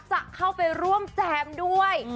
จะเข้าไปร่วมแจมด้วย